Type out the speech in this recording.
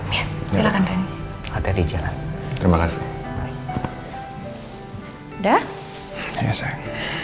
ya silahkan ren